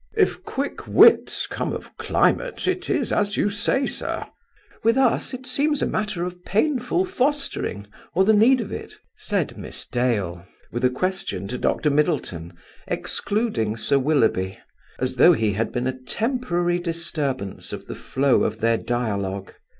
"If quick wits come of climate, it is as you say, sir." "With us it seems a matter of painful fostering, or the need of it," said Miss Dale, with a question to Dr. Middleton, excluding Sir Willoughby, as though he had been a temporary disturbance of the flow of their dialogue.